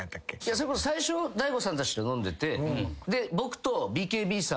それこそ最初大悟さんたちと飲んでて。